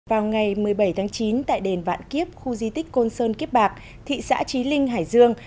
vào ngày một mươi bảy tháng chín tại đền vạn kiếp khu di tích côn sơn kiếp bạc thị xã trí linh hải dương